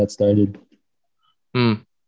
begitulah cara itu dimulai